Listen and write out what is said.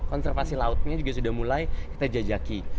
konservasi lautnya juga sudah mulai kita jajaki